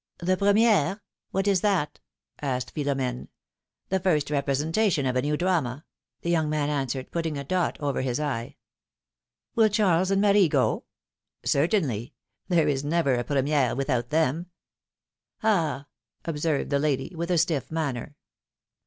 ^^ The premihre ? What is that ? asked Philomene. ^^The first representation of a new drama/^ the young man answered, putting a dot over his L Will Charles and Marie go?'^ Certainly. There is never a premise without them.^^ ^^Ah ! observed the lady, with a stiff manner.